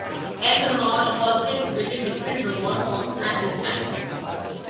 L-Ron also exhibited different robot forms at this time.